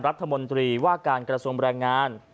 รัฐมนตรีว่าการกระทรวงแรงงาน